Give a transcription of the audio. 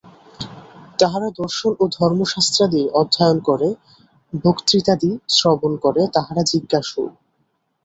তাহারা দর্শন ও ধর্মশাস্ত্রাদি অধ্যয়ন করে, বক্তৃতাদি শ্রবণ করে, তাহারা জিজ্ঞাসু।